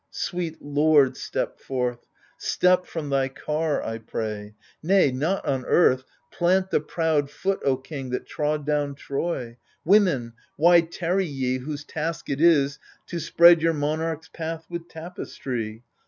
Sweet lord, step forth. Step from thy car, I pray — nay, not on earth Plant the proud foot, O king, that trod down Troy ! Women ! why tarry ye, whose task it is To spread your monarch's path with tapestry